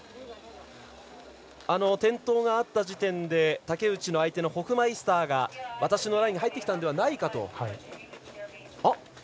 転倒があった時点で竹内の相手のホフマイスターが私のラインに入ってきたんではないかと。